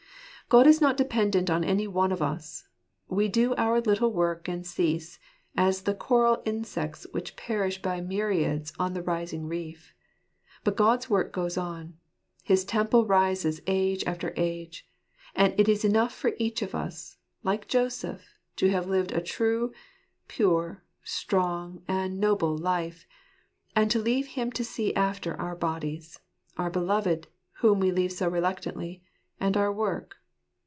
God is not dependent on any one of us. We do our little work and cease, as the coral insects which perish by myriads on the rising reef. But God's work goes on. His temple rises age after age. And it is enough for each of us, like Joseph, to have lived a true, pure, strong, and noble life — and to leave Him to see after our bodies ; our beloved, whom we leave so reluctantly ; and our work.